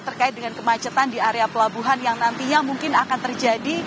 terkait dengan kemacetan di area pelabuhan yang nantinya mungkin akan terjadi